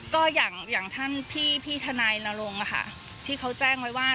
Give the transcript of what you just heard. ก็อย่างท่านพี่ทนายนรงค์ที่เขาแจ้งไว้ว่า